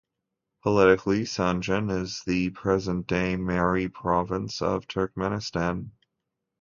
Politically, Sanjan is in the present-day Mary Province of Turkmenistan.